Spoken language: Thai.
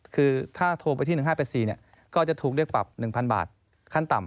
คือถ้าโทรไปที่๑๕๘๔ก็จะถูกเรียกปรับ๑๐๐บาทขั้นต่ำ